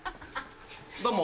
どうも。